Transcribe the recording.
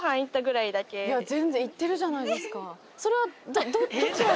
全然行ってるじゃないですか。